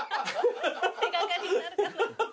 手掛かりになるか。